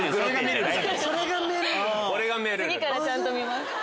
次からちゃんと見ます。